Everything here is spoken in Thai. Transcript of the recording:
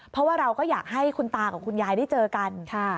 เพราะว่าเราก็อยากให้คุณตากับคุณยายได้เจอกัน